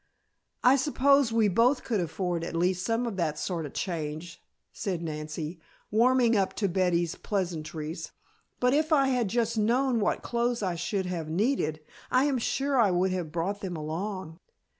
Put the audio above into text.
"I suppose we both could afford at least some of that sort of change," said Nancy, warming up to Betty's pleasantries. "But if I had just known what clothes I should have needed, I am sure I would have brought them along."